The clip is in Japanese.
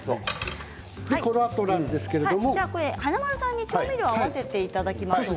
このあと華丸さんに調味料を合わせていただきましょう。